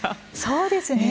そうですね